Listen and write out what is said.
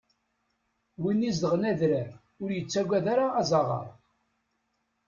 Win izedɣen adrar ur yettagad ara azaɣar.